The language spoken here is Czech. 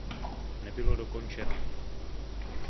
Nebylo dokončeno.